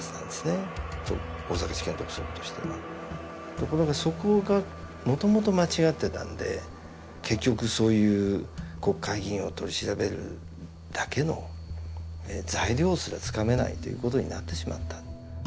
ところがそこがもともと間違ってたんで結局そういう国会議員を取り調べるだけの材料すらつかめないということになってしまった。